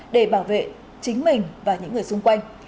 để bảo vệ chính mình và những người xung quanh